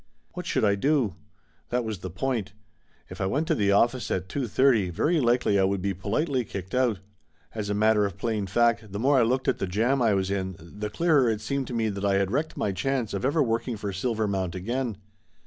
What should I do? That was the point. If I went to the office at 2 : 30 very likely I would be politely kicked out. As a matter of plain fact the more I looked at the jam I was in the clearer it seemed to me that I had wrecked my chance of ever working for Silver mount again.